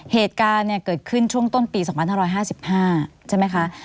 เหตุการณ์เกิดขึ้นช่วงต้นปี๒๕๕๕ใช่ไหมคะ